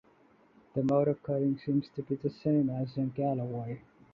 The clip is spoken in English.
The mode of cutting seems to be the same as in Galloway.